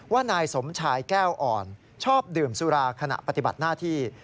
นายสมชายแก้วอ่อนชอบดื่มสุราขณะปฏิบัติหน้าที่